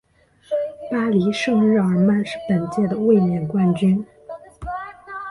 巴黎圣日耳曼是本届的卫冕冠军。